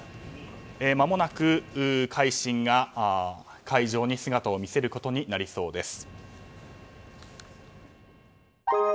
まもなく「海進」が海上に姿を見せることになりそうです。